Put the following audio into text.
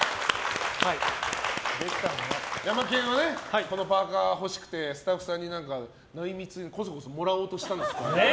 ヤマケンはこのパーカ欲しくてスタッフさんに内密にこそこそもらおうとしたんだって。